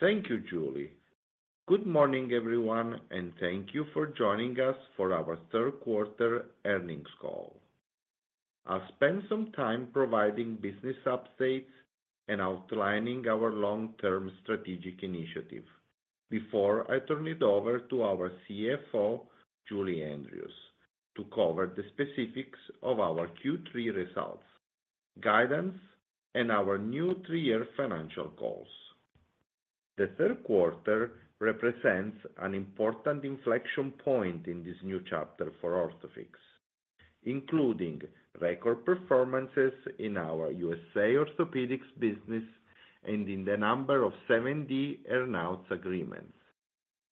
Thank you, Julie. Good morning, everyone, and thank you for joining us for our third-quarter earnings call. I'll spend some time providing business updates and outlining our long-term strategic initiative. Before I turn it over to our CFO, Julie Andrews, to cover the specifics of our Q3 results, guidance, and our new three-year financial goals. The third quarter represents an important inflection point in this new chapter for Orthofix, including record performances in our USA orthopedics business and in the number of 7D earnouts agreements.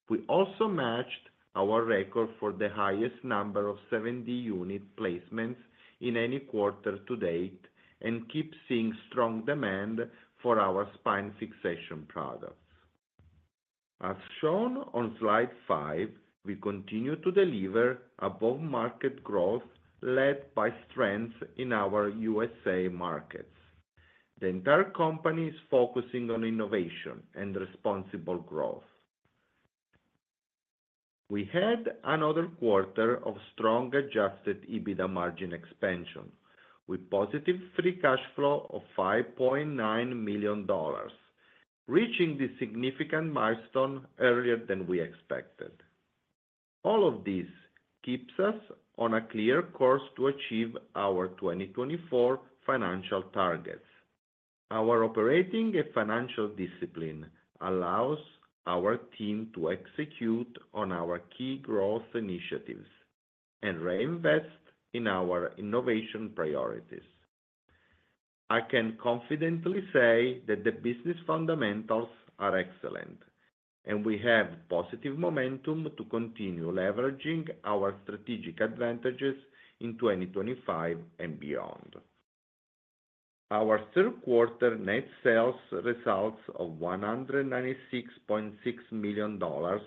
We also matched our record for the highest number of 7D unit placements in any quarter to date and keep seeing strong demand for our spine fixation products. As shown on slide five, we continue to deliver above-market growth led by strength in our USA markets. The entire company is focusing on innovation and responsible growth. We had another quarter of strong Adjusted EBITDA margin expansion, with positive free cash flow of $5.9 million, reaching this significant milestone earlier than we expected. All of this keeps us on a clear course to achieve our 2024 financial targets. Our operating and financial discipline allows our team to execute on our key growth initiatives and reinvest in our innovation priorities. I can confidently say that the business fundamentals are excellent, and we have positive momentum to continue leveraging our strategic advantages in 2025 and beyond. Our third-quarter net sales results of $196.6 million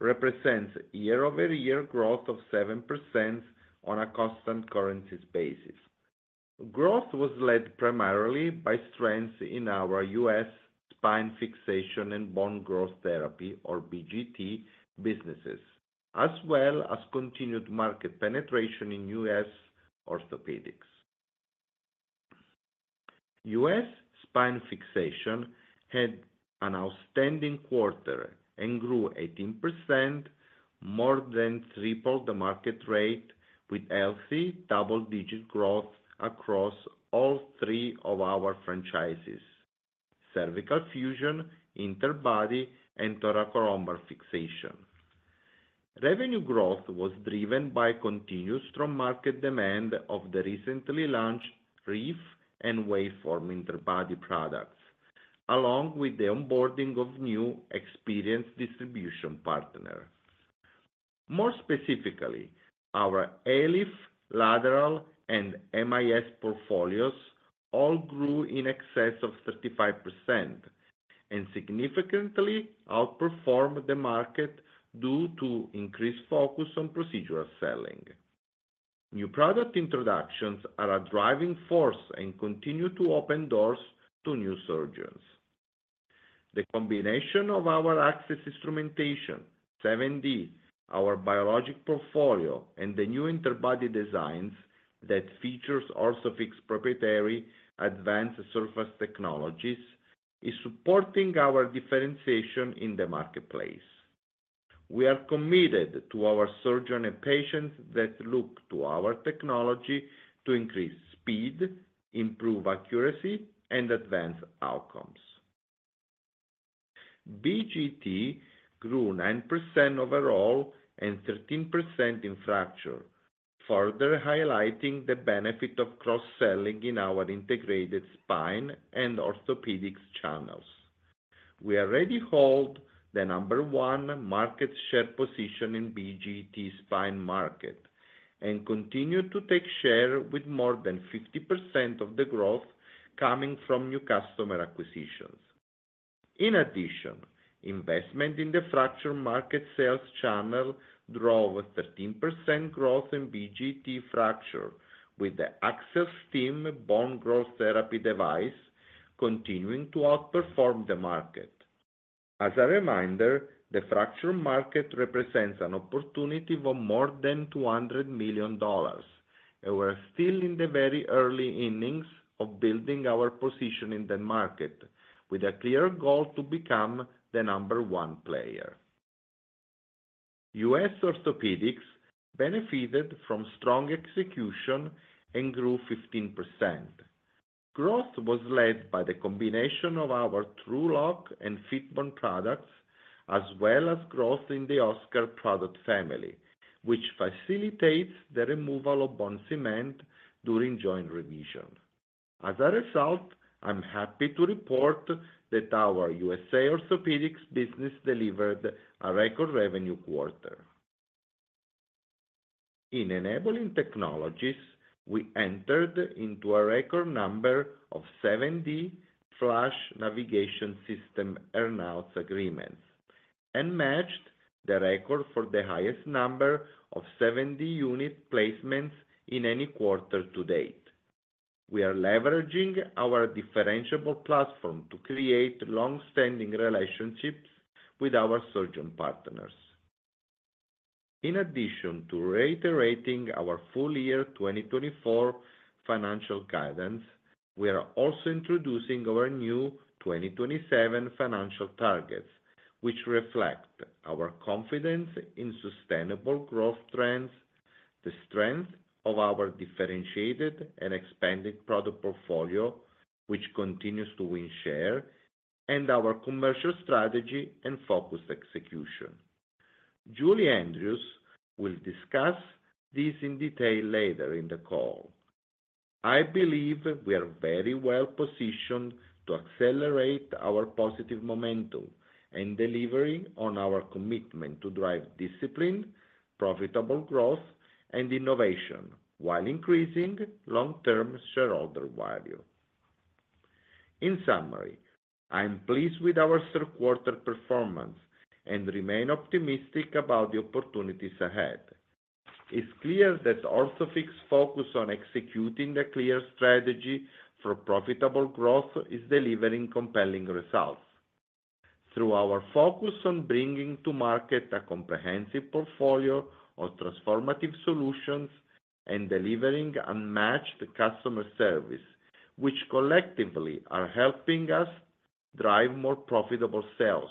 represent year-over-year growth of 7% on a constant currency basis. Growth was led primarily by strength in our U.S. spine fixation and bone growth therapy, or BGT, businesses, as well as continued market penetration in U.S. orthopedics. U.S. spine fixation had an outstanding quarter and grew 18%, more than tripled the market rate, with healthy double-digit growth across all three of our franchises: cervical fusion, interbody, and thoracolumbar fixation. Revenue growth was driven by continued strong market demand of the recently launched Reef and Waveform interbody products, along with the onboarding of new experienced distribution partners. More specifically, our ALIF, Lateral, and MIS portfolios all grew in excess of 35% and significantly outperformed the market due to increased focus on procedural selling. New product introductions are a driving force and continue to open doors to new surges. The combination of our Axis instrumentation, 7D, our biologic portfolio, and the new interbody designs that feature Orthofix's proprietary advanced surface technologies is supporting our differentiation in the marketplace. We are committed to our surgeon and patients that look to our technology to increase speed, improve accuracy, and advance outcomes. BGT grew 9% overall and 13% in fracture, further highlighting the benefit of cross-selling in our integrated spine and orthopedics channels. We already hold the number one market share position in BGT spine market and continue to take share with more than 50% of the growth coming from new customer acquisitions. In addition, investment in the fracture market sales channel drove 13% growth in BGT fracture, with the AccelStim bone growth therapy device continuing to outperform the market. As a reminder, the fracture market represents an opportunity of more than $200 million, and we are still in the very early innings of building our position in the market, with a clear goal to become the number one player. US orthopedics benefited from strong execution and grew 15%. Growth was led by the combination of our TrueLok and FITBONE products, as well as growth in the OSCAR product family, which facilitates the removal of bone cement during joint revision. As a result, I'm happy to report that our USA orthopedics business delivered a record revenue quarter. In enabling technologies, we entered into a record number of 7D FLASH Navigation System earnouts agreements and matched the record for the highest number of 7D unit placements in any quarter to date. We are leveraging our differentiable platform to create long-standing relationships with our surgeon partners. In addition to reiterating our full-year 2024 financial guidance, we are also introducing our new 2027 financial targets, which reflect our confidence in sustainable growth trends, the strength of our differentiated and expanded product portfolio, which continues to win share, and our commercial strategy and focused execution. Julie Andrews will discuss these in detail later in the call. I believe we are very well positioned to accelerate our positive momentum and delivery on our commitment to drive discipline, profitable growth, and innovation while increasing long-term shareholder value. In summary, I'm pleased with our third-quarter performance and remain optimistic about the opportunities ahead. It's clear that Orthofix's focus on executing the clear strategy for profitable growth is delivering compelling results. Through our focus on bringing to market a comprehensive portfolio of transformative solutions and delivering unmatched customer service, which collectively are helping us drive more profitable sales,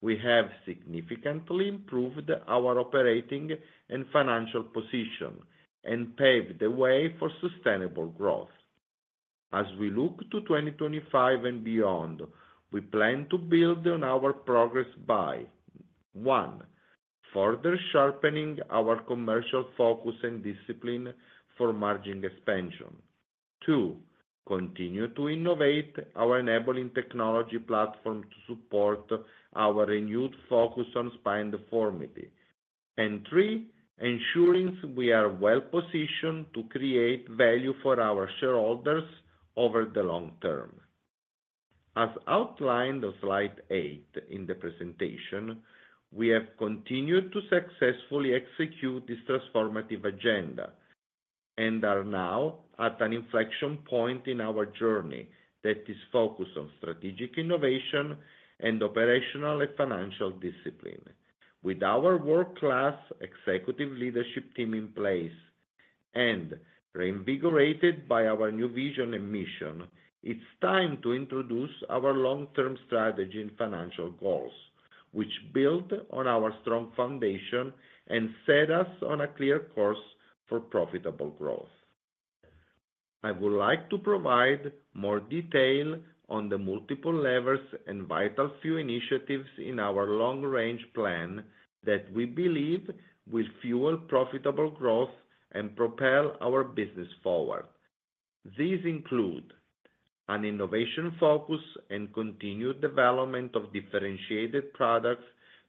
we have significantly improved our operating and financial position and paved the way for sustainable growth. As we look to 2025 and beyond, we plan to build on our progress by: 1) further sharpening our commercial focus and discipline for margin expansion. 2) Continue to innovate our enabling technology platform to support our renewed focus on spine deformity, and 3) ensuring we are well positioned to create value for our shareholders over the long term. As outlined on slide 8 in the presentation, we have continued to successfully execute this transformative agenda and are now at an inflection point in our journey that is focused on strategic innovation and operational and financial discipline. With our world-class executive leadership team in place and reinvigorated by our new vision and mission, it's time to introduce our long-term strategy and financial goals, which build on our strong foundation and set us on a clear course for profitable growth. I would like to provide more detail on the multiple levers and vital few initiatives in our long-range plan that we believe will fuel profitable growth and propel our business forward. These include an innovation focus and continued development of differentiated products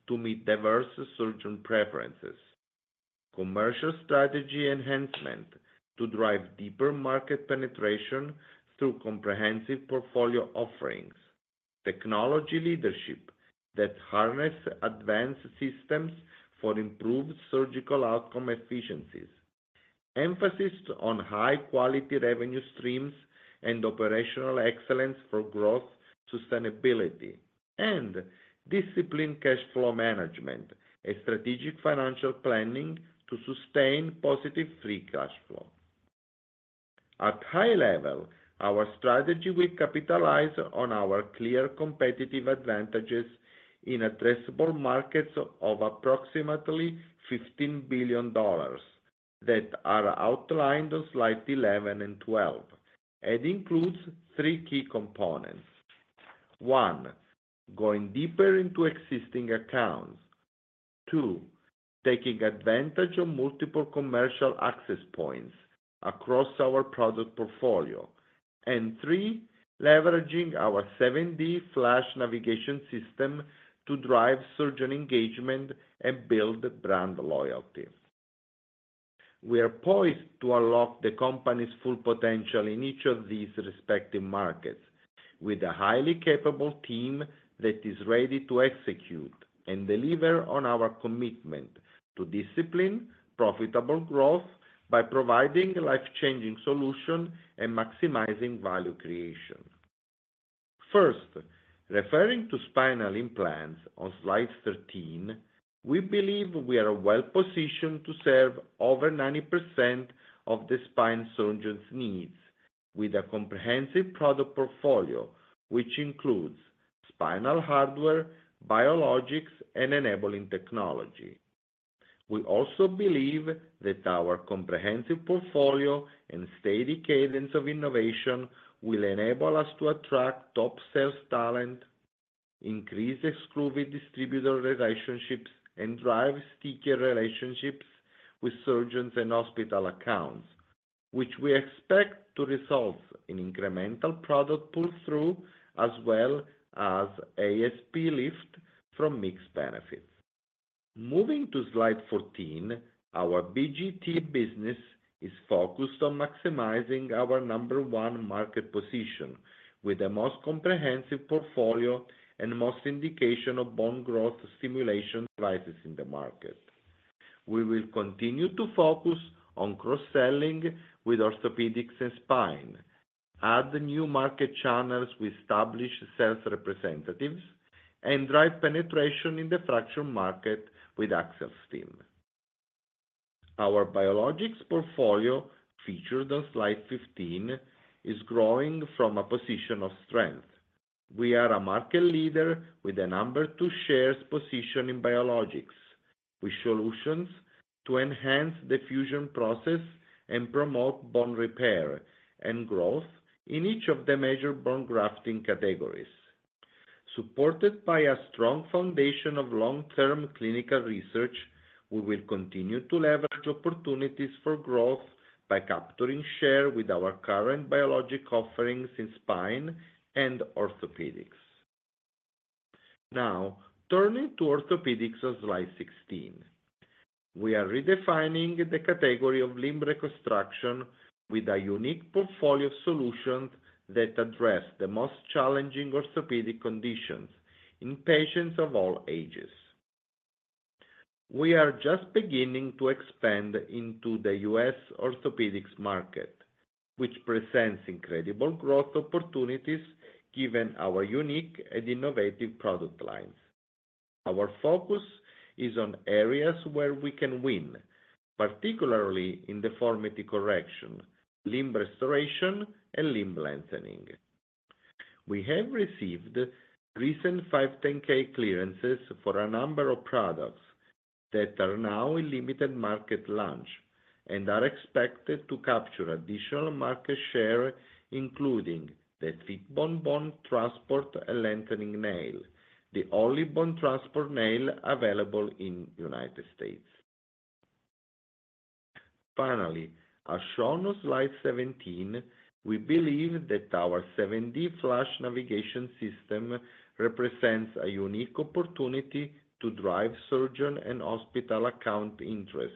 to meet diverse surgeon preferences, commercial strategy enhancement to drive deeper market penetration through comprehensive portfolio offerings, technology leadership that harness advanced systems for improved surgical outcome efficiencies, emphasis on high-quality revenue streams and operational excellence for growth sustainability, and disciplined cash flow management and strategic financial planning to sustain positive free cash flow. At a high level, our strategy will capitalize on our clear competitive advantages in addressable markets of approximately $15 billion that are outlined on slides 11 and 12, and includes three key components: 1) going deeper into existing accounts; 2) taking advantage of multiple commercial access points across our product portfolio; and 3) leveraging our 7D Flash Navigation System to drive surgeon engagement and build brand loyalty. We are poised to unlock the company's full potential in each of these respective markets with a highly capable team that is ready to execute and deliver on our commitment to disciplined, profitable growth by providing life-changing solutions and maximizing value creation. First, referring to spinal implants on slide 13, we believe we are well positioned to serve over 90% of the spine surgeon's needs with a comprehensive product portfolio which includes spinal hardware, biologics, and enabling technology. We also believe that our comprehensive portfolio and steady cadence of innovation will enable us to attract top sales talent, increase exclusive distributor relationships, and drive stickier relationships with surgeons and hospital accounts, which we expect to result in incremental product pull-through as well as ASP lift from mix benefits. Moving to slide 14, our BGT business is focused on maximizing our number one market position with the most comprehensive portfolio and most indications of bone growth stimulation devices in the market. We will continue to focus on cross-selling with orthopedics and spine, add new market channels with established sales representatives, and drive penetration in the fracture market with AccelStim. Our biologics portfolio, featured on slide 15, is growing from a position of strength. We are a market leader with a number two shares position in biologics, with solutions to enhance the fusion process and promote bone repair and growth in each of the major bone grafting categories. Supported by a strong foundation of long-term clinical research, we will continue to leverage opportunities for growth by capturing share with our current biologic offerings in spine and orthopedics. Now, turning to orthopedics on slide 16, we are redefining the category of limb reconstruction with a unique portfolio of solutions that address the most challenging orthopedic conditions in patients of all ages. We are just beginning to expand into the U.S. orthopedics market, which presents incredible growth opportunities given our unique and innovative product lines. Our focus is on areas where we can win, particularly in deformity correction, limb restoration, and limb lengthening. We have received recent 510(k) clearances for a number of products that are now in limited market launch and are expected to capture additional market share, including the FITBONE Bone Transport and Lengthening Nail, the only bone transport nail available in the United States. Finally, as shown on slide 17, we believe that our 7D FLASH Navigation System represents a unique opportunity to drive surgeon and hospital account interest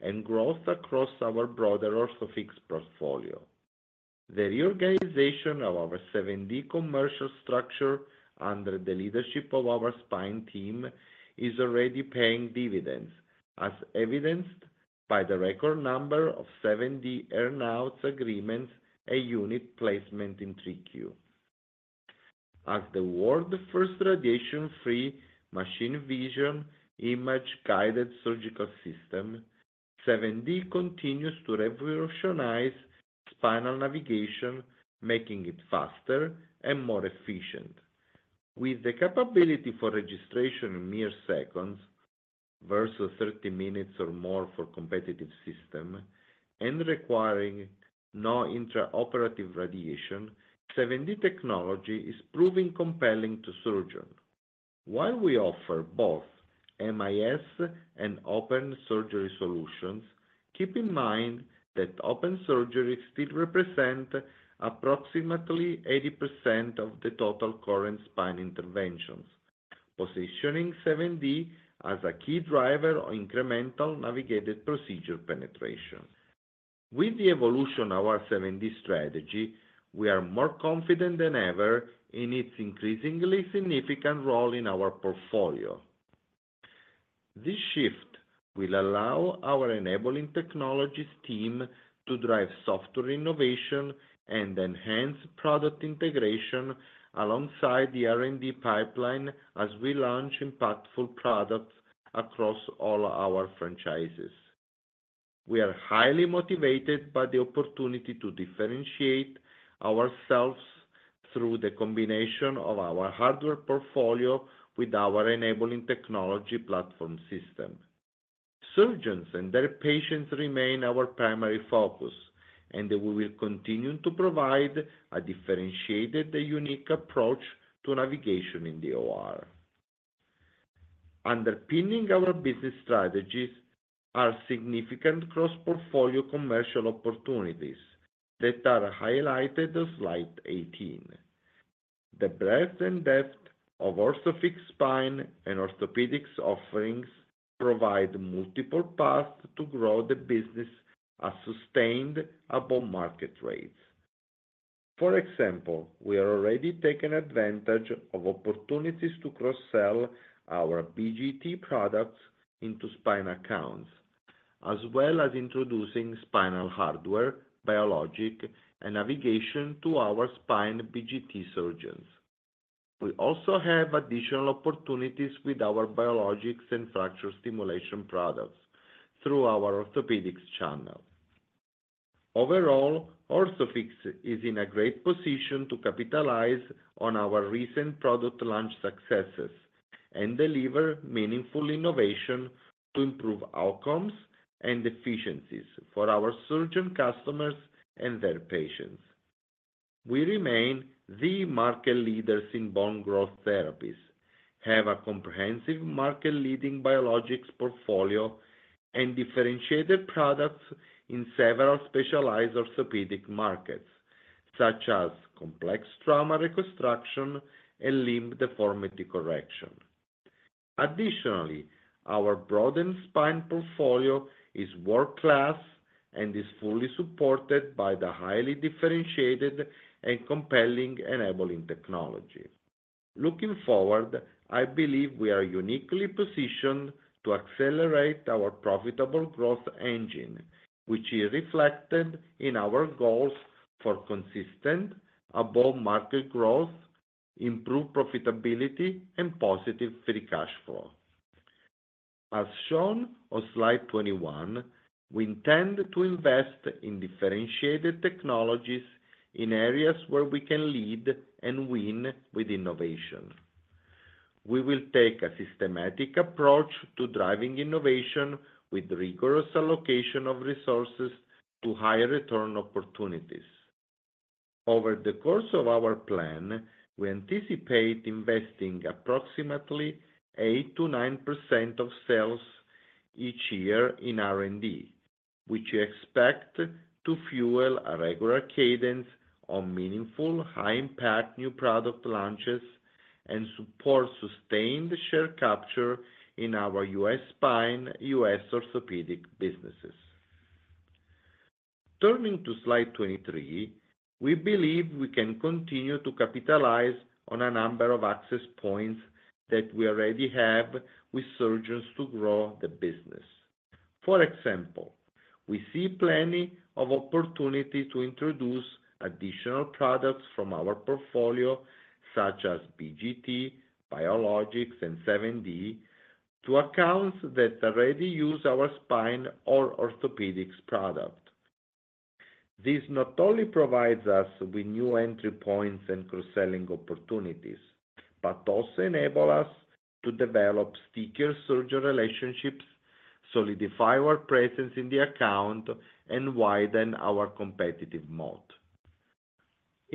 and growth across our broader Orthofix portfolio. The reorganization of our 7D commercial structure under the leadership of our spine team is already paying dividends, as evidenced by the record number of 7D earnouts agreements and unit placement in TRIQ. As the world's first radiation-free Machine Vision image-guided surgical system, 7D continues to revolutionize spinal navigation, making it faster and more efficient. With the capability for registration in mere seconds versus 30 minutes or more for competitive systems and requiring no intraoperative radiation, 7D technology is proving compelling to surgeons. While we offer both MIS and open surgery solutions, keep in mind that open surgery still represents approximately 80% of the total current spine interventions, positioning 7D as a key driver of incremental navigated procedure penetration. With the evolution of our 7D strategy, we are more confident than ever in its increasingly significant role in our portfolio. This shift will allow our enabling technologies team to drive software innovation and enhance product integration alongside the R&D pipeline as we launch impactful products across all our franchises. We are highly motivated by the opportunity to differentiate ourselves through the combination of our hardware portfolio with our enabling technology platform system. Surgeons and their patients remain our primary focus, and we will continue to provide a differentiated and unique approach to navigation in the OR. Underpinning our business strategies are significant cross-portfolio commercial opportunities that are highlighted on slide 18. The breadth and depth of Orthofix Spine and Orthopedics offerings provide multiple paths to grow the business at sustained above-market rates. For example, we have already taken advantage of opportunities to cross-sell our BGT products into spine accounts, as well as introducing spinal hardware, biologics, and navigation to our spine BGT surgeons. We also have additional opportunities with our biologics and fracture stimulation products through our orthopedics channel. Overall, Orthofix is in a great position to capitalize on our recent product launch successes and deliver meaningful innovation to improve outcomes and efficiencies for our surgeon customers and their patients. We remain the market leaders in bone growth therapies, have a comprehensive market-leading biologics portfolio, and differentiated products in several specialized orthopedic markets, such as complex trauma reconstruction and limb deformity correction. Additionally, our broadened spine portfolio is world-class and is fully supported by the highly differentiated and compelling enabling technology. Looking forward, I believe we are uniquely positioned to accelerate our profitable growth engine, which is reflected in our goals for consistent above-market growth, improved profitability, and positive free cash flow. As shown on Slide 21, we intend to invest in differentiated technologies in areas where we can lead and win with innovation. We will take a systematic approach to driving innovation with rigorous allocation of resources to higher return opportunities. Over the course of our plan, we anticipate investing approximately 8%-9% of sales each year in R&D, which we expect to fuel a regular cadence of meaningful high-impact new product launches and support sustained share capture in our U.S. spine, U.S. orthopedic businesses. Turning to slide 23, we believe we can continue to capitalize on a number of access points that we already have with surgeons to grow the business. For example, we see plenty of opportunities to introduce additional products from our portfolio, such as BGT, biologics, and 7D, to accounts that already use our spine or orthopedics product. This not only provides us with new entry points and cross-selling opportunities, but also enables us to develop stickier surgeon relationships, solidify our presence in the account, and widen our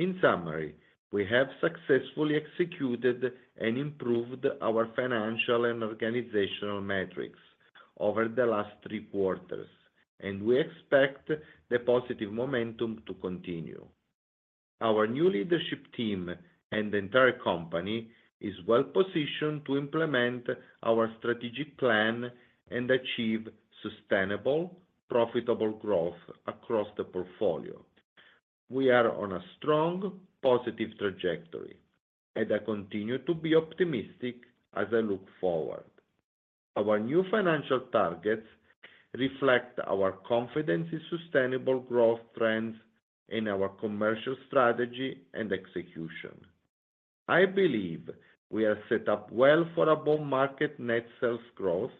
competitive moat. In summary, we have successfully executed and improved our financial and organizational metrics over the last three quarters, and we expect the positive momentum to continue. Our new leadership team and the entire company are well positioned to implement our strategic plan and achieve sustainable, profitable growth across the portfolio. We are on a strong, positive trajectory, and I continue to be optimistic as I look forward. Our new financial targets reflect our confidence in sustainable growth trends in our commercial strategy and execution. I believe we are set up well for above-market net sales growth,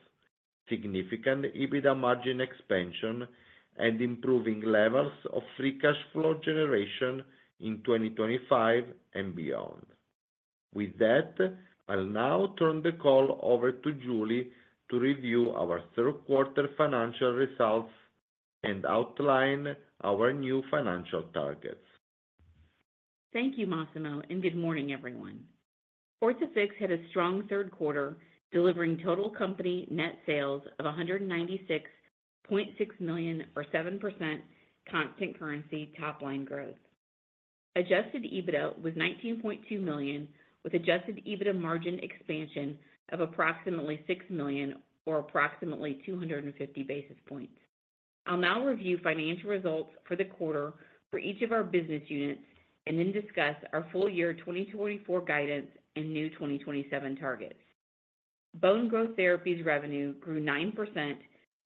significant EBITDA margin expansion, and improving levels of free cash flow generation in 2025 and beyond. With that, I'll now turn the call over to Julie to review our third-quarter financial results and outline our new financial targets. Thank you, Massimo, and good morning, everyone. Orthofix had a strong third quarter, delivering total company net sales of $196.6 million, or 7% constant currency top-line growth. Adjusted EBITDA was $19.2 million, with adjusted EBITDA margin expansion of approximately $6 million, or approximately 250 basis points. I'll now review financial results for the quarter for each of our business units and then discuss our full year 2024 guidance and new 2027 targets. Bone Growth Therapies revenue grew 9%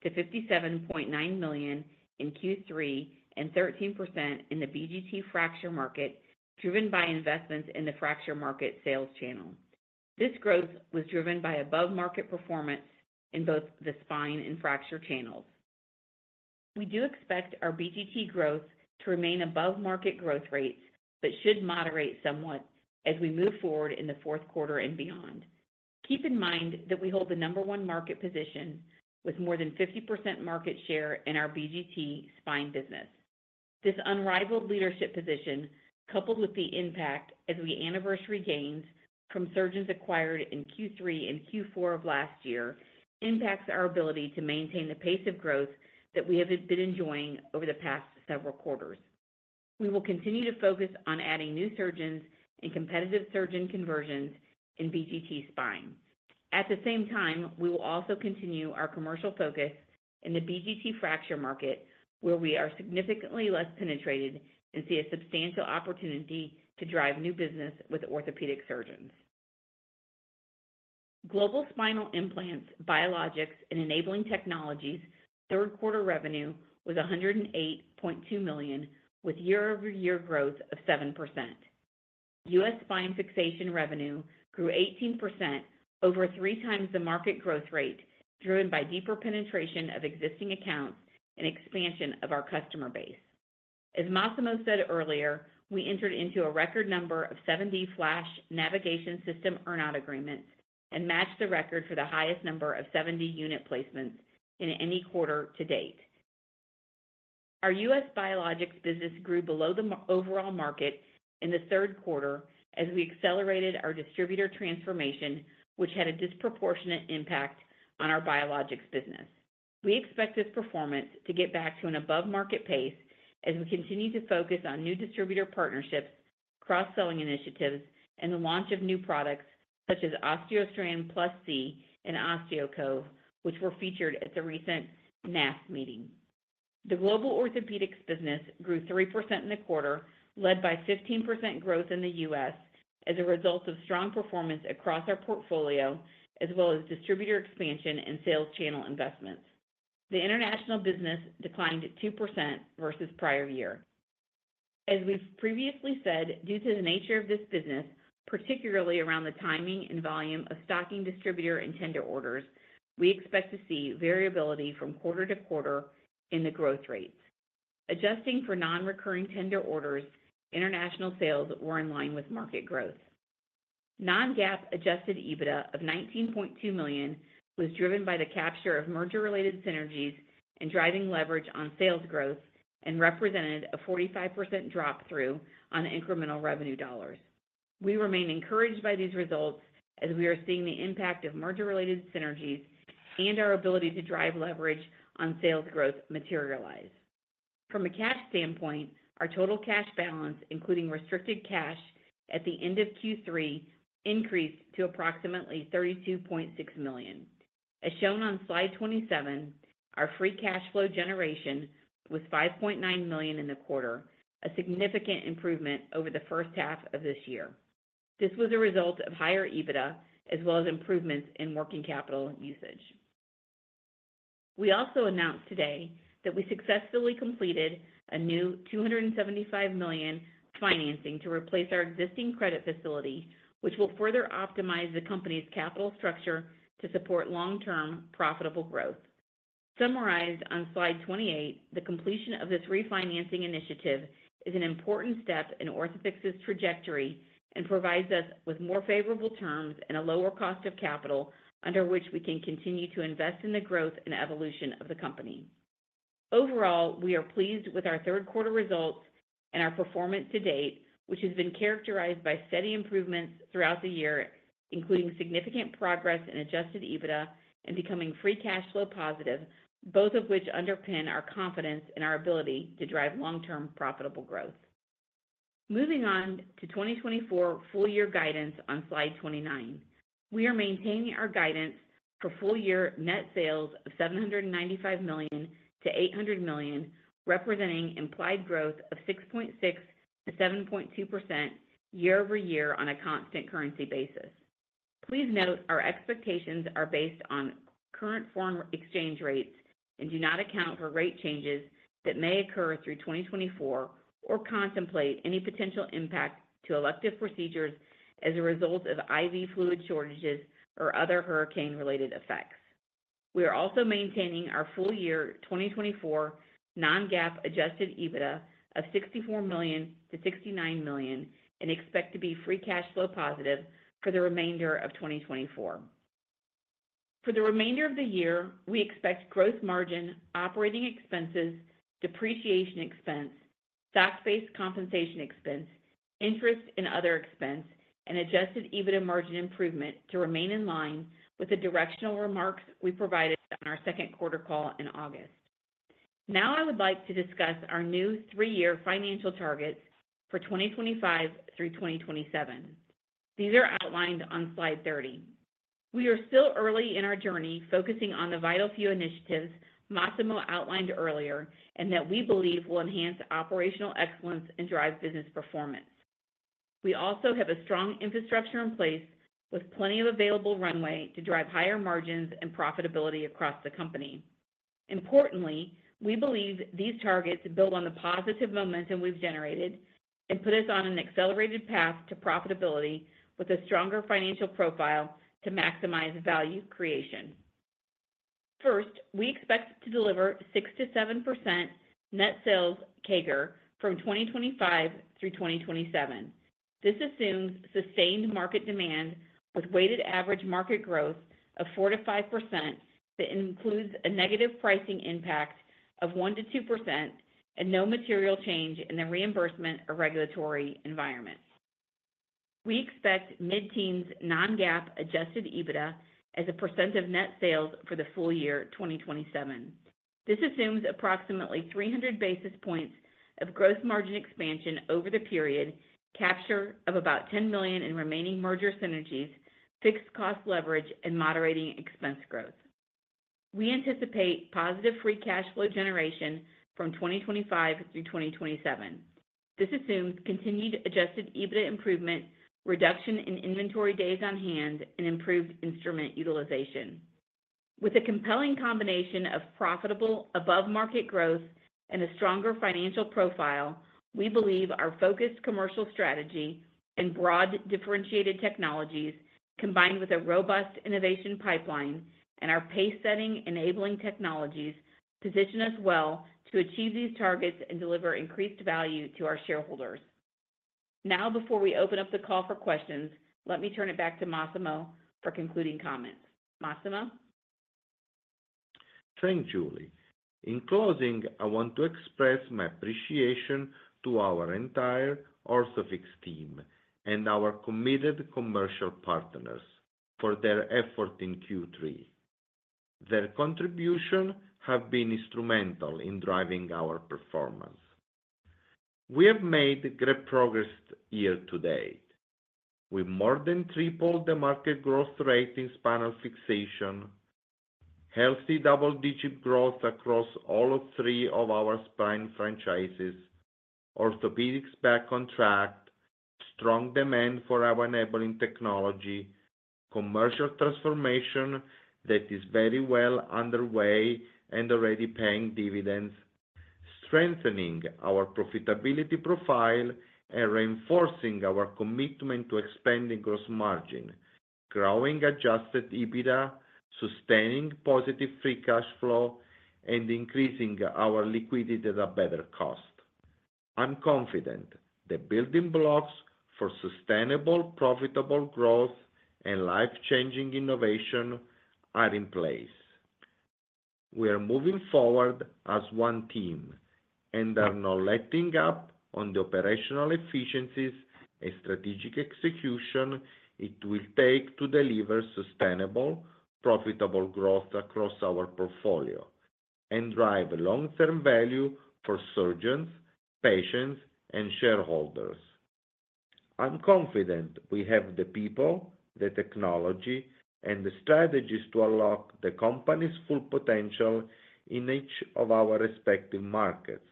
to $57.9 million in Q3 and 13% in the BGT fracture market, driven by investments in the fracture market sales channel. This growth was driven by above-market performance in both the spine and fracture channels. We do expect our BGT growth to remain above-market growth rates but should moderate somewhat as we move forward in the fourth quarter and beyond. Keep in mind that we hold the number one market position with more than 50% market share in our BGT spine business. This unrivaled leadership position, coupled with the impact as we anniversary gains from surgeons acquired in Q3 and Q4 of last year, impacts our ability to maintain the pace of growth that we have been enjoying over the past several quarters. We will continue to focus on adding new surgeons and competitive surgeon conversions in BGT spine. At the same time, we will also continue our commercial focus in the BGT fracture market, where we are significantly less penetrated and see a substantial opportunity to drive new business with orthopedic surgeons. Global spinal implants, biologics, and enabling technologies' third-quarter revenue was $108.2 million, with year-over-year growth of 7%. U.S. spine fixation revenue grew 18%, over three times the market growth rate, driven by deeper penetration of existing accounts and expansion of our customer base. As Massimo said earlier, we entered into a record number of 7D FLASH Navigation System earnout agreements and matched the record for the highest number of 7D unit placements in any quarter to date. Our U.S. biologics business grew below the overall market in the third quarter as we accelerated our distributor transformation, which had a disproportionate impact on our biologics business. We expect this performance to get back to an above-market pace as we continue to focus on new distributor partnerships, cross-selling initiatives, and the launch of new products such as OsteoStrand Plus C and OsteoCove, which were featured at the recent NASS meeting. The global Orthopedics business grew 3% in the quarter, led by 15% growth in the US as a result of strong performance across our portfolio, as well as distributor expansion and sales channel investments. The international business declined 2% versus prior year. As we've previously said, due to the nature of this business, particularly around the timing and volume of stocking distributor and tender orders, we expect to see variability from quarter to quarter in the growth rates. Adjusting for non-recurring tender orders, international sales were in line with market growth. Non-GAAP Adjusted EBITDA of $19.2 million was driven by the capture of merger-related synergies and driving leverage on sales growth and represented a 45% drop-through on incremental revenue dollars. We remain encouraged by these results as we are seeing the impact of merger-related synergies and our ability to drive leverage on sales growth materialize. From a cash standpoint, our total cash balance, including restricted cash at the end of Q3, increased to approximately $32.6 million. As shown on slide 27, our free cash flow generation was $5.9 million in the quarter, a significant improvement over the first half of this year. This was a result of higher EBITDA, as well as improvements in working capital usage. We also announced today that we successfully completed a new $275 million financing to replace our existing credit facility, which will further optimize the company's capital structure to support long-term profitable growth. Summarized on slide 28, the completion of this refinancing initiative is an important step in Orthofix's trajectory and provides us with more favorable terms and a lower cost of capital, under which we can continue to invest in the growth and evolution of the company. Overall, we are pleased with our third-quarter results and our performance to date, which has been characterized by steady improvements throughout the year, including significant progress in Adjusted EBITDA and becoming Free Cash Flow positive, both of which underpin our confidence in our ability to drive long-term profitable growth. Moving on to 2024 full-year guidance on slide 29, we are maintaining our guidance for full-year net sales of $795 million-$800 million, representing implied growth of 6.6%-7.2% year-over-year on a Constant Currency basis. Please note our expectations are based on current foreign exchange rates and do not account for rate changes that may occur through 2024 or contemplate any potential impact to elective procedures as a result of IV fluid shortages or other hurricane-related effects. We are also maintaining our full-year 2024 non-GAAP Adjusted EBITDA of $64 million-$69 million and expect to be free cash flow positive for the remainder of 2024. For the remainder of the year, we expect growth margin, operating expenses, depreciation expense, stock-based compensation expense, interest and other expense, and Adjusted EBITDA margin improvement to remain in line with the directional remarks we provided on our second quarter call in August. Now, I would like to discuss our new three-year financial targets for 2025 through 2027. These are outlined on slide 30. We are still early in our journey, focusing on the vital few initiatives Massimo outlined earlier and that we believe will enhance operational excellence and drive business performance. We also have a strong infrastructure in place with plenty of available runway to drive higher margins and profitability across the company. Importantly, we believe these targets build on the positive momentum we've generated and put us on an accelerated path to profitability with a stronger financial profile to maximize value creation. First, we expect to deliver 6% to 7% net sales CAGR from 2025 through 2027. This assumes sustained market demand with weighted average market growth of 4% to 5% that includes a negative pricing impact of 1% to 2% and no material change in the reimbursement or regulatory environment. We expect mid-teens non-GAAP adjusted EBITDA as a percent of net sales for the full year 2027. This assumes approximately 300 basis points of growth margin expansion over the period, capture of about $10 million in remaining merger synergies, fixed cost leverage, and moderating expense growth. We anticipate positive free cash flow generation from 2025 through 2027. This assumes continued Adjusted EBITDA improvement, reduction in inventory days on hand, and improved instrument utilization. With a compelling combination of profitable above-market growth and a stronger financial profile, we believe our focused commercial strategy and broad differentiated technologies, combined with a robust innovation pipeline and our pace-setting enabling technologies, position us well to achieve these targets and deliver increased value to our shareholders. Now, before we open up the call for questions, let me turn it back to Massimo for concluding comments. Massimo? Thanks, Julie. In closing, I want to express my appreciation to our entire Orthofix team and our committed commercial partners for their effort in Q3. Their contributions have been instrumental in driving our performance. We have made great progress here to date. We more than tripled the market growth rate in Spinal Fixation, healthy double-digit growth across all three of our spine franchises, Orthopedics back on track, strong demand for our enabling technology, commercial transformation that is very well underway and already paying dividends, strengthening our profitability profile and reinforcing our commitment to expanding gross margin, growing Adjusted EBITDA, sustaining positive Free Cash Flow, and increasing our liquidity at a better cost. I'm confident the building blocks for sustainable, profitable growth and life-changing innovation are in place. We are moving forward as one team and are not letting up on the operational efficiencies and strategic execution it will take to deliver sustainable, profitable growth across our portfolio and drive long-term value for surgeons, patients, and shareholders. I'm confident we have the people, the technology, and the strategies to unlock the company's full potential in each of our respective markets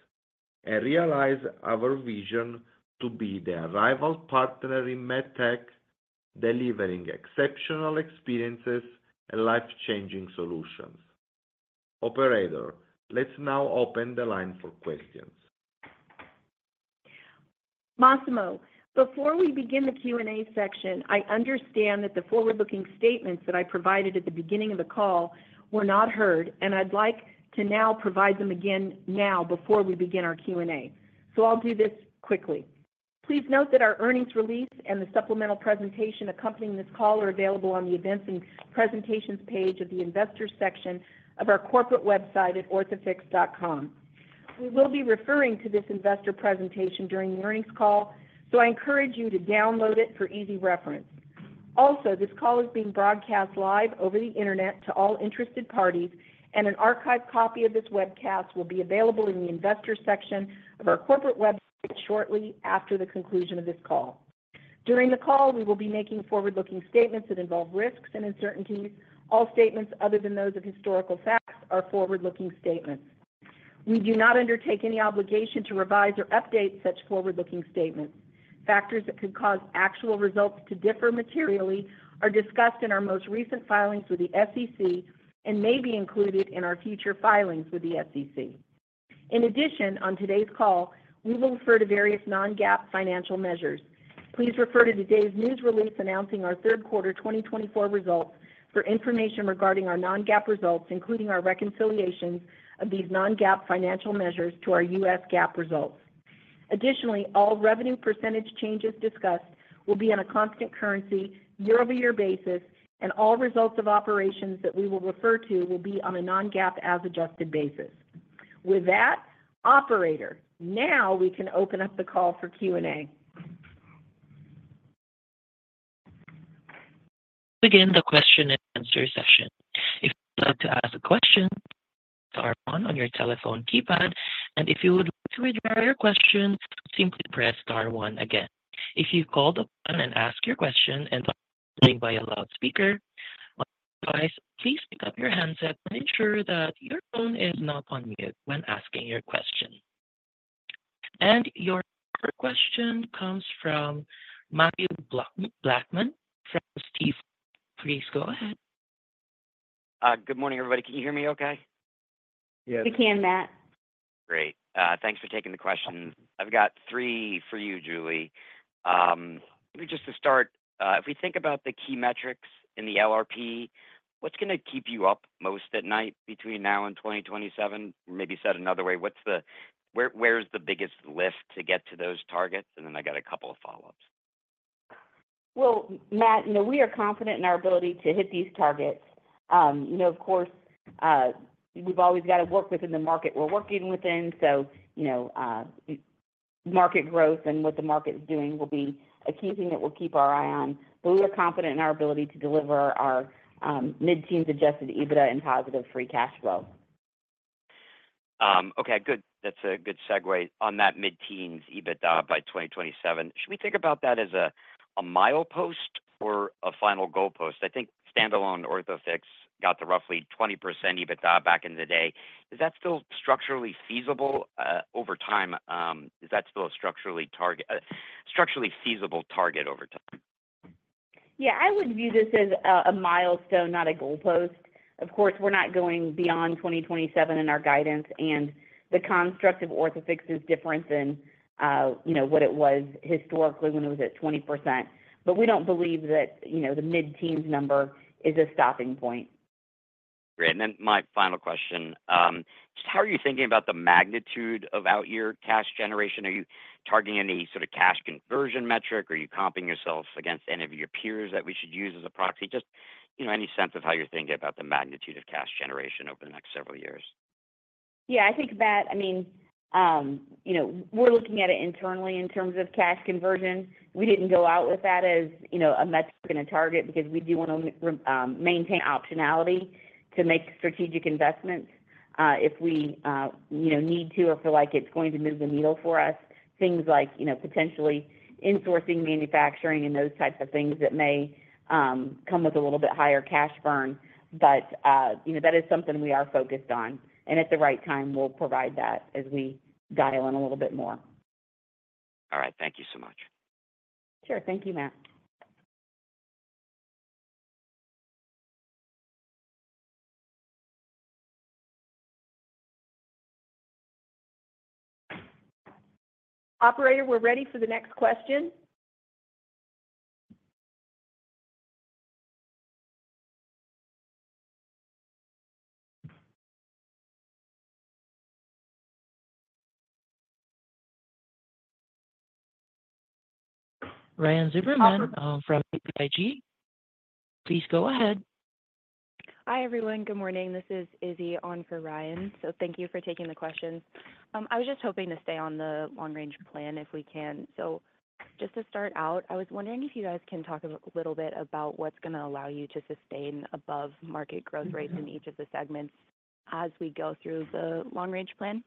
and realize our vision to be the reliable partner in med tech, delivering exceptional experiences and life-changing solutions. Operator, let's now open the line for questions. Massimo, before we begin the Q&A section, I understand that the forward-looking statements that I provided at the beginning of the call were not heard, and I'd like to now provide them again now before we begin our Q&A. So I'll do this quickly. Please note that our earnings release and the supplemental presentation accompanying this call are available on the events and presentations page of the investor section of our corporate website at orthofix.com. We will be referring to this investor presentation during the earnings call, so I encourage you to download it for easy reference. Also, this call is being broadcast live over the internet to all interested parties, and an archived copy of this webcast will be available in the investor section of our corporate website shortly after the conclusion of this call. During the call, we will be making forward-looking statements that involve risks and uncertainties. All statements other than those of historical facts are forward-looking statements. We do not undertake any obligation to revise or update such forward-looking statements. Factors that could cause actual results to differ materially are discussed in our most recent filings with the SEC and may be included in our future filings with the SEC. In addition, on today's call, we will refer to various non-GAAP financial measures. Please refer to today's news release announcing our third quarter 2024 results for information regarding our non-GAAP results, including our reconciliations of these non-GAAP financial measures to our U.S. GAAP results. Additionally, all revenue percentage changes discussed will be on a constant currency, year-over-year basis, and all results of operations that we will refer to will be on a non-GAAP as-adjusted basis. With that, Operator, now we can open up the call for Q&A. Begin the question and answer session. If you'd like to ask a question, press star 1 on your telephone keypad, and if you would like to withdraw your question, simply press star 1 again. If you've called upon and asked your question and are listening via loudspeaker, my advice: please pick up your handset and ensure that your phone is not on mute when asking your question. And your first question comes from Matthew Blackman. Please go ahead. Good morning, everybody. Can you hear me okay? Yes. We can, Matt. Great. Thanks for taking the question. I've got three for you, Julie. Just to start, if we think about the key metrics in the LRP, what's going to keep you up most at night between now and 2027? Maybe said another way, where's the biggest lift to get to those targets? And then I got a couple of follow-ups. Well, Matt, we are confident in our ability to hit these targets. Of course, we've always got to work within the market we're working within. So market growth and what the market is doing will be a key thing that we'll keep our eye on. But we are confident in our ability to deliver our mid-teens Adjusted EBITDA and positive Free Cash Flow. Okay, good. That's a good segue on that mid-teens EBITDA by 2027. Should we think about that as a milepost or a final goalpost? I think standalone Orthofix got to roughly 20% EBITDA back in the day. Is that still structurally feasible over time? Is that still a structurally feasible target over time? Yeah, I would view this as a milestone, not a goalpost. Of course, we're not going beyond 2027 in our guidance, and the construct of Orthofix is different than what it was historically when it was at 20%. But we don't believe that the mid-teens number is a stopping point. Great. And then my final question: just how are you thinking about the magnitude of out-year cash generation? Are you targeting any sort of cash conversion metric? Are you comping yourselves against any of your peers that we should use as a proxy? Just any sense of how you're thinking about the magnitude of cash generation over the next several years? Yeah, I think that, I mean, we're looking at it internally in terms of cash conversion. We didn't go out with that as a metric and a target because we do want to maintain optionality to make strategic investments if we need to or feel like it's going to move the needle for us. Things like potentially insourcing manufacturing and those types of things that may come with a little bit higher cash burn. But that is something we are focused on. And at the right time, we'll provide that as we dial in a little bit more. All right. Thank you so much. Sure. Thank you, Matt. Operator, we're ready for the next question. Ryan Zimmerman from BTIG. Please go ahead. Hi, everyone. Good morning. This is Izzy on for Ryan. So thank you for taking the questions. I was just hoping to stay on the long-range plan if we can. So just to start out, I was wondering if you guys can talk a little bit about what's going to allow you to sustain above-market growth rates in each of the segments as we go through the long-range plan.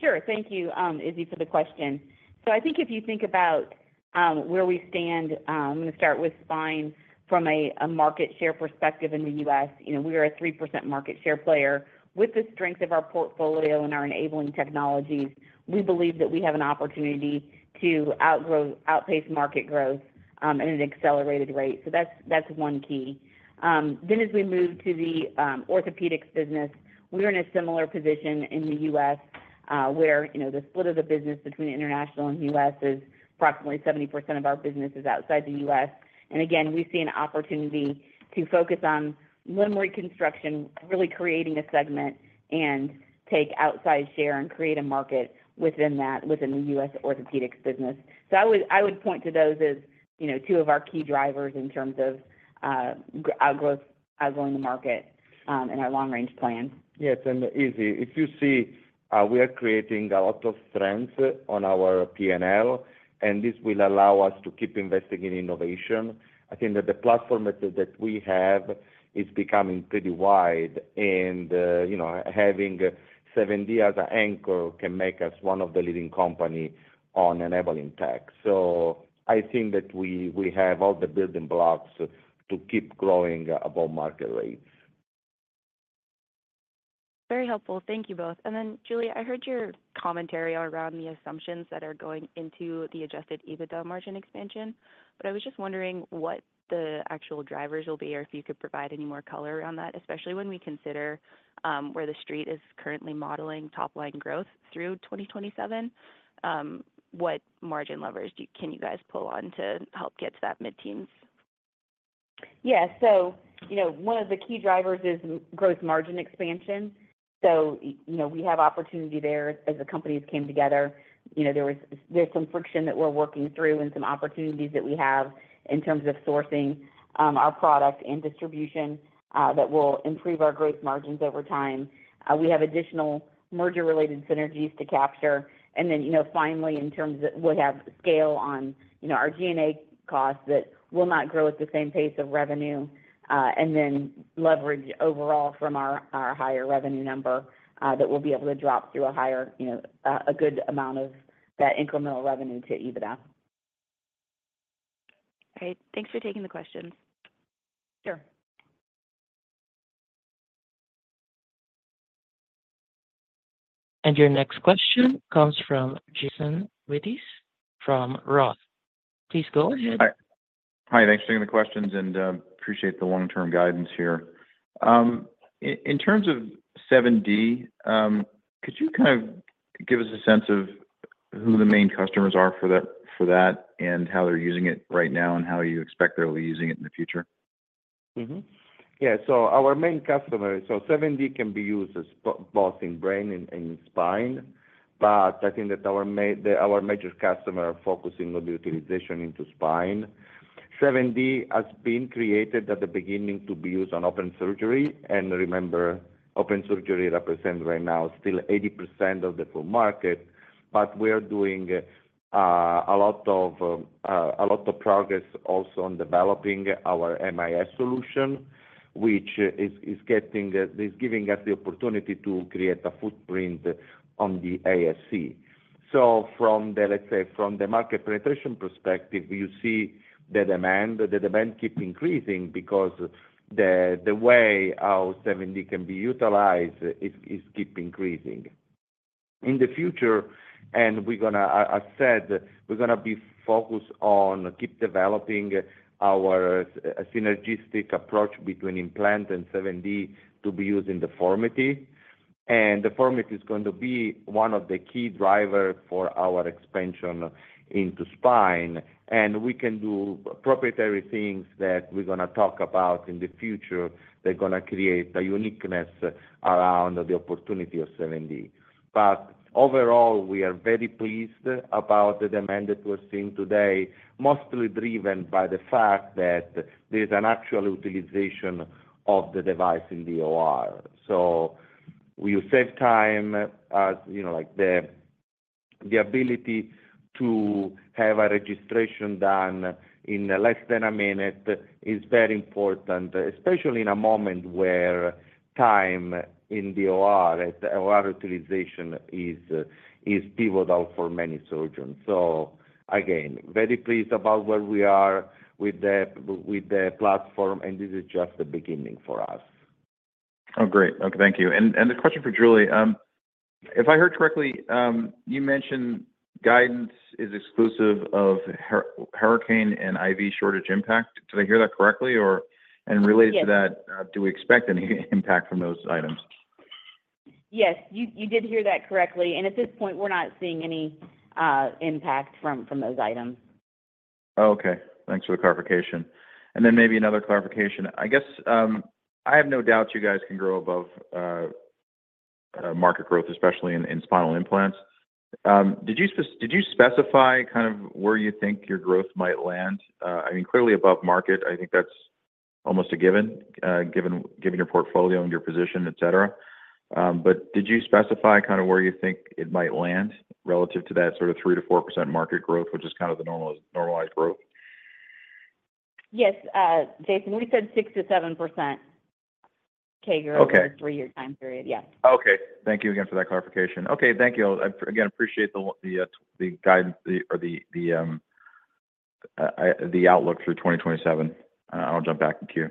Sure. Thank you, Izzy, for the question. So I think if you think about where we stand, I'm going to start with spine from a market share perspective in the U.S. We are a 3% market share player. With the strength of our portfolio and our enabling technologies, we believe that we have an opportunity to outgrow, outpace market growth at an accelerated rate. So that's one key. Then, as we move to the orthopedics business, we're in a similar position in the U.S. where the split of the business between international and U.S. is approximately 70% of our business is outside the U.S. And again, we see an opportunity to focus on limb reconstruction, really creating a segment, and take outsized share and create a market within that, within the U.S. orthopedics business. So I would point to those as two of our key drivers in terms of growth, outgrowing the market in our long-range plan. Yes. And Izzy, if you see, we are creating a lot of spend on our P&L, and this will allow us to keep investing in innovation. I think that the platform that we have is becoming pretty wide, and having 7D as an anchor can make us one of the leading companies on enabling tech. So I think that we have all the building blocks to keep growing above-market rates. Very helpful. Thank you both. And then, Julie, I heard your commentary around the assumptions that are going into the Adjusted EBITDA margin expansion, but I was just wondering what the actual drivers will be or if you could provide any more color around that, especially when we consider where the street is currently modeling top-line growth through 2027. What margin levers can you guys pull on to help get to that mid-teens? Yeah. So one of the key drivers is gross margin expansion. So we have opportunity there as the companies came together. There's some friction that we're working through and some opportunities that we have in terms of sourcing our product and distribution that will improve our gross margins over time. We have additional merger-related synergies to capture. And then finally, in terms of what we'll scale on our G&A costs that will not grow at the same pace of revenue and then leverage overall from our higher revenue number that we'll be able to drop through a good amount of that incremental revenue to EBITDA. Great. Thanks for taking the questions. Sure. And your next question comes from Jason Wittes from Roth. Please go ahead. Hi. Thanks for taking the questions and appreciate the long-term guidance here. In terms of 7D, could you kind of give us a sense of who the main customers are for that and how they're using it right now and how you expect they're using it in the future? Yeah. So our main customer, so 7D can be used both in brain and in spine, but I think that our major customer focusing on the utilization into spine. 7D has been created at the beginning to be used on open surgery. And remember, open surgery represents right now still 80% of the full market, but we are doing a lot of progress also on developing our MIS solution, which is giving us the opportunity to create a footprint on the ASC. So let's say from the market penetration perspective, you see the demand keep increasing because the way our 7D can be utilized is keep increasing. In the future, and we're going to, as said, we're going to be focused on keep developing our synergistic approach between implant and 7D to be used in deformity. And deformity is going to be one of the key drivers for our expansion into spine. And we can do proprietary things that we're going to talk about in the future that are going to create a uniqueness around the opportunity of 7D. But overall, we are very pleased about the demand that we're seeing today, mostly driven by the fact that there is an actual utilization of the device in the OR. So we save time as the ability to have a registration done in less than a minute is very important, especially in a moment where time in the OR utilization is pivotal for many surgeons. So again, very pleased about where we are with the platform, and this is just the beginning for us. Oh, great. Okay. Thank you. And the question for Julie, if I heard correctly, you mentioned guidance is exclusive of hurricane and IV shortage impact. Did I hear that correctly? And related to that, do we expect any impact from those items? Yes. You did hear that correctly. And at this point, we're not seeing any impact from those items. Oh, okay. Thanks for the clarification. And then maybe another clarification. I guess I have no doubt you guys can grow above market growth, especially in spinal implants. Did you specify kind of where you think your growth might land? I mean, clearly above market. I think that's almost a given given your portfolio and your position, etc. But did you specify kind of where you think it might land relative to that sort of 3%-4% market growth, which is kind of the normalized growth? Yes. Jason, we said 6%-7%. Okay. CAGR over a three-year time period. Yeah. Okay. Thank you again for that clarification. Okay. Thank you. Again, appreciate the guidance or the outlook through 2027. I'll jump back in queue.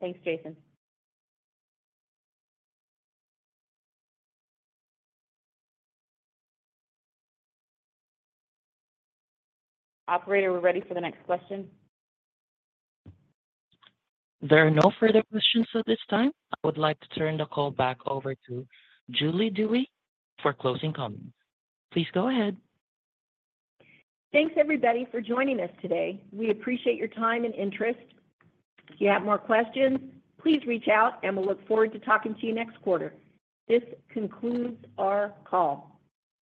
Thanks, Jason. Operator, we're ready for the next question. There are no further questions at this time. I would like to turn the call back over to Julie Dewey for closing comments. Please go ahead. Thanks, everybody, for joining us today. We appreciate your time and interest. If you have more questions, please reach out, and we'll look forward to talking to you next quarter. This concludes our call.